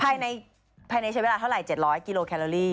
ภายในเฉพาะเวลาเท่าไร๗๐๐กิโลแคลอรี